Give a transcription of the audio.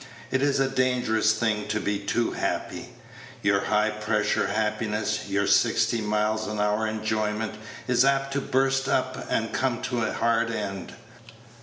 It is a dangerous thing to be too happy. Your high pressure happiness, your sixty miles an hour enjoyment, is apt to burst up and come to a hard end.